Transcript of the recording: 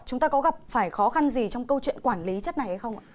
chúng ta có gặp phải khó khăn gì trong câu chuyện quản lý chất này hay không ạ